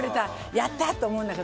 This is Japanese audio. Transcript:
やったーって思うんだけど。